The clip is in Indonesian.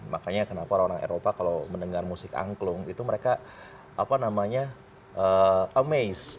makanya kenapa orang orang eropa kalau mendengar musik angklung itu mereka apa namanya amazed